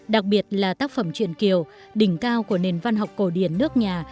đặc biệt là tác phẩm chuyện kiều đỉnh cao của nền văn học cổ điển nước nhà